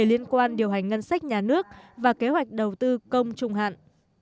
liên quan điều hành ngân sách nhà nước và kế hoạch đầu tư công trung hạn